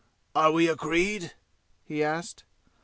"Are we agreed?" he asked.